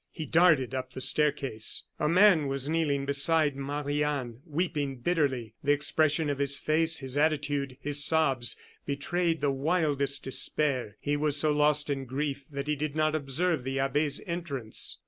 He darted up the staircase. A man was kneeling beside Marie Anne, weeping bitterly. The expression of his face, his attitude, his sobs betrayed the wildest despair. He was so lost in grief that he did not observe the abbe's entrance.